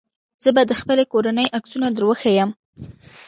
زه به د خپلې کورنۍ عکسونه دروښيم.